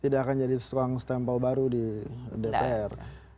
tidak akan jadi tukang stempel baru di dpr